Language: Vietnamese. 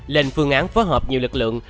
lên phương án phối hợp nhiều lực lượng